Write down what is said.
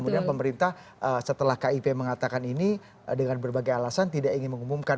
kemudian pemerintah setelah kip mengatakan ini dengan berbagai alasan tidak ingin mengumumkan